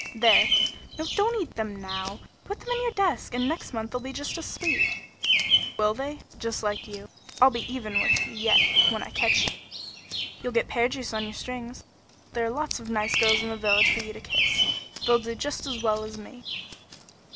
"There! No, don't eat them now. Put them in your desk, and next month they'll be just as sweet!" "Will they? Just like you? I'll be even with you yet when I catch you." "You'll get pear juice on your strings. There are lots of nice girls in the village for you to kiss. They'll do just as well as me."